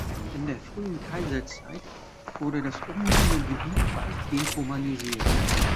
In der frühen Kaiserzeit wurde das umliegende Gebiet weitgehend romanisiert.